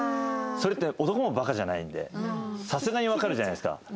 それって男もバカじゃないんでさすがにわかるじゃないですか。